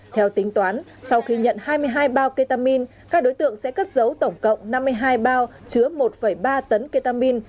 theo tính toán sau khi nhận hai mươi hai bao ketamin các đối tượng sẽ cất giấu tổng cộng năm mươi hai bao chứa một ba tấn ketamin